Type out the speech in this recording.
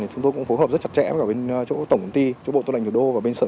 thì chúng tôi cũng phối hợp rất chặt chẽ ở bên chỗ tổng công ty cho bộ tôn ảnh được đô và bên sở